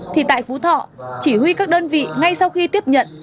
thì tại phú thọ chỉ huy các đơn vị ngay sau khi tiếp nhận